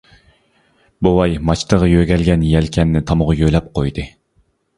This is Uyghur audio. بوۋاي، ماچتىغا يۆگەلگەن يەلكەننى تامغا يۆلەپ قويدى.